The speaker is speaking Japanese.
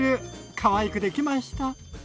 かわいくできました。